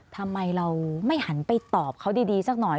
ทำไมเราไม่หันไปตอบเขาดีสักหน่อย